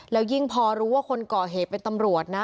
แล้วยิ่งพอรู้ว่าคนก่อเหตุเป็นตำรวจนะ